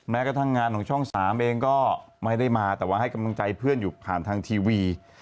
แม้กระทั่งงานของช่อง๓เองก็ไม่ได้มาแต่ว่าให้กำลังใจเพื่อนอยู่ผ่านทางทีวี